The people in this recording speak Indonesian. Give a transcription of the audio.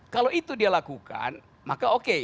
kalau itu dia lakukan maka oke